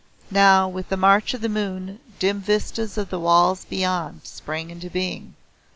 Now with the march of the moon dim vistas of the walls beyond sprang into being.